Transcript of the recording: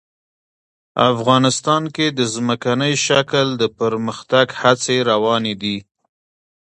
افغانستان کې د ځمکنی شکل د پرمختګ هڅې روانې دي.